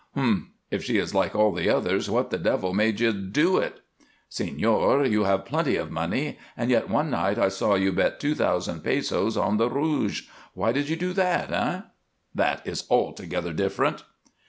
"Humph! If she is like all the others, what the devil made you do it?" "Señor, you have plenty of money, and yet one night I saw you bet two thousand pesos on the rouge. Why did you do that, eh?" "That is altogether different."